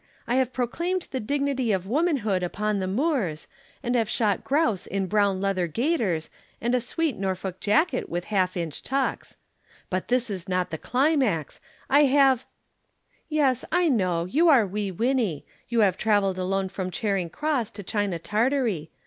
I have proclaimed the dignity of womanhood upon the moors, and have shot grouse in brown leather gaiters and a sweet Norfolk jacket with half inch tucks. But this is not the climax, I have " [Illustration: Wee Winnie on her Travels.] "Yes, I know. You are Wee Winnie. You travelled alone from Charing Cross to China Tartary.